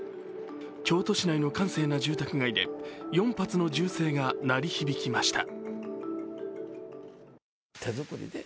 京都市内の閑静な住宅街で４発の銃声が鳴り響きました。